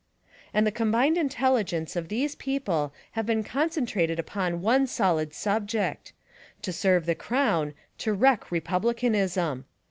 And the combined intelligence of these people have been concentrated upon one solid subject: To serve the crown; to wreck republicanism.